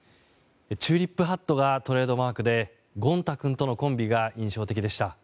チューリップハットがトレードマークでゴン太君とのコンビが印象的でした。